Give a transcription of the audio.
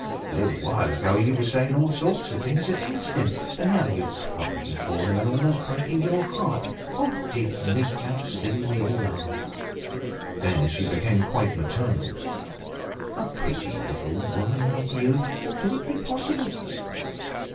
A little while ago you were saying all sorts of things against him; and now you're crying for him, and almost breaking your heart. Dear me, how silly we all are!" Then she became quite maternal. "A pretty little woman like you! Can it be possible?